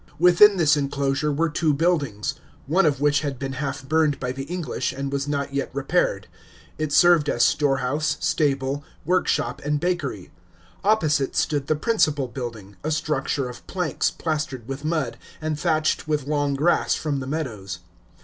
Within this inclosure were two buildings, one of which had been half burned by the English, and was not yet repaired. It served as storehouse, stable, workshop, and bakery. Opposite stood the principal building, a structure of planks, plastered with mud, and thatched with long grass from the meadows.